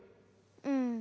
うん。